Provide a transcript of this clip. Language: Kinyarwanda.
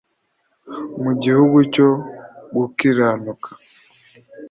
mu gihugu cyo gukiranuka